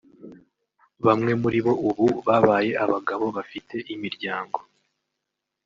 Bamwe muri bo ubu babaye abagabo bafite imiryango